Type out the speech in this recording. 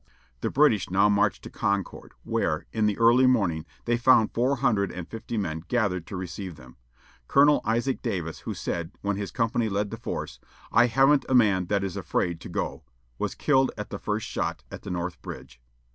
The British now marched to Concord, where, in the early morning, they found four hundred and fifty men gathered to receive them. Captain Isaac Davis, who said, when his company led the force, "I haven't a man that is afraid to go," was killed at the first shot, at the North Bridge.